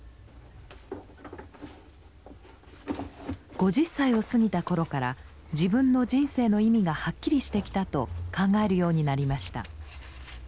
５０歳を過ぎた頃から自分の人生の意味がはっきりしてきたと考えるようになりました。